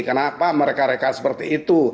kenapa mereka reka seperti itu